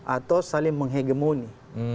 atau saling menghegemoni